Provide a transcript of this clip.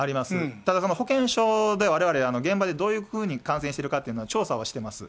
ただ保健所でわれわれ現場でどういうふうに感染してるかっていうのを、調査をしてます。